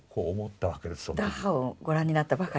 ダッハウをご覧になったばかり。